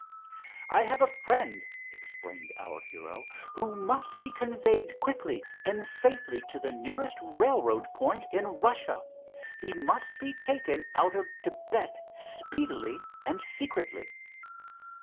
"I have a friend," explained our hero, "who must be conveyed quickly and safely to the nearest railroad point in Russia. He must be taken out of Thibet speedily and secretly."